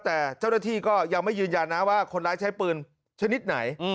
แต่เจ้าหน้าที่ก็ยังไม่ยืนยันนะว่าคนร้ายใช้ปืนชนิดไหน